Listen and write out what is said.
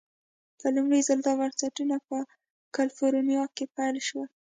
په لومړي ځل دا بنسټونه په کلفورنیا کې پیل شول.